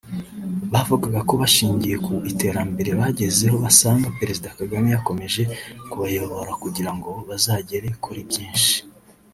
bavugaga ko bashingiye ku iterambere bagezeho basanga Perezida Kagame yakomeza kubayobora kugirango bazagere kuri byinshi